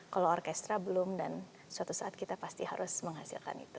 kalau orkestra belum dan suatu saat kita pasti harus menghasilkan itu